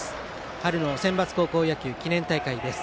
春のセンバツ高校野球記念大会です。